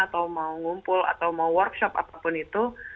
atau mau ngumpul atau mau workshop apapun itu